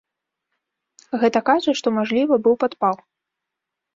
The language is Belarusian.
Гэта кажа, што мажліва, быў падпал.